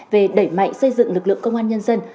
về đẩy mạnh xây dựng lực lượng công an nhân dân